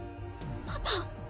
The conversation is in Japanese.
パパ？